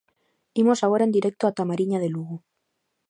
Imos agora en directo ata a mariña de Lugo.